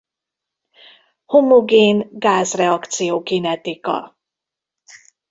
Homogén gázreakció-kinetika.